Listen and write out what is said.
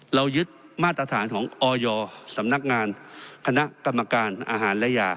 เรายึดมาตรฐานของออยสำนักงานคณะกรรมการอาหารและยา